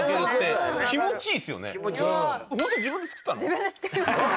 自分で作りました。